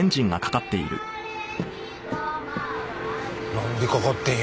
なんでかかってんや？